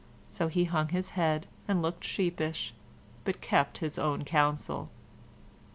So he hung his head and looked sheepish, but kept his own counsel.